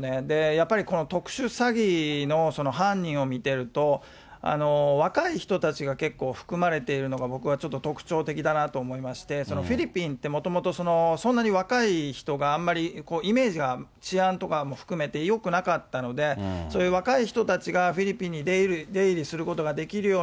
やっぱりこの特殊詐欺の犯人を見てると、若い人たちが結構含まれているのが、僕はちょっと特徴的だなと思いまして、フィリピンってもともとそんなに若い人があんまりイメージが治安とかも含めてよくなかったので、そういう若い人たちがフィリピンに出入りすることができるように